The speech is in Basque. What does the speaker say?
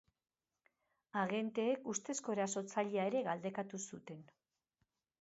Agenteek ustezko erasotzailea ere galdekatu zuten.